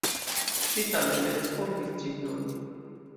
Ŝi tamen ne respondis ĝis nun.